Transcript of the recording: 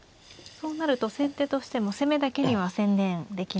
そうなると先手としても攻めだけには専念できない。